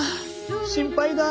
心配だ。